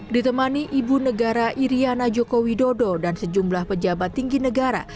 ditemani ibu negara iryana joko widodo dan sejumlah pejabat tinggi negara